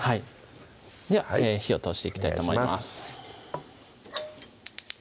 では火を通していきたいと思います